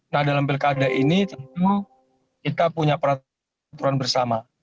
nah dalam pilkada ini tentu kita punya peraturan bersama